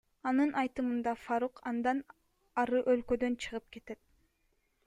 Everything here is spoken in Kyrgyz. Анын айтымында, Фарук андан ары өлкөдөн чыгып кетет.